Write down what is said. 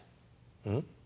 うん？